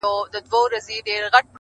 لوټوي چي لوپټه د خورکۍ ورو ورو!